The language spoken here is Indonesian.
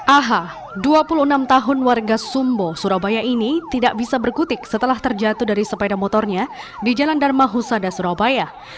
aha dua puluh enam tahun warga sumbo surabaya ini tidak bisa berkutik setelah terjatuh dari sepeda motornya di jalan dharma husada surabaya